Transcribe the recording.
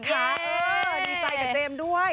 ดีใจกับเจมส์ด้วย